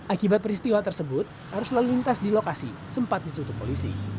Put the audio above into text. akibat peristiwa tersebut arus lalu lintas di lokasi sempat ditutup polisi